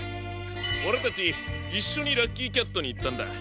オレたちいっしょにラッキーキャットにいったんだ。